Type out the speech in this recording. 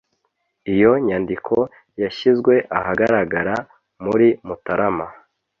Iyo nyandiko yashyizwe ahagaragara muri Mutarama